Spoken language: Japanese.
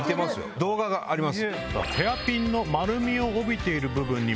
動画があります。